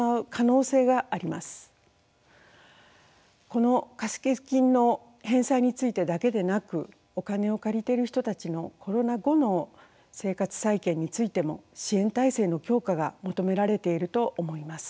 この貸付金の返済についてだけでなくお金を借りている人たちのコロナ後の生活再建についても支援体制の強化が求められていると思います。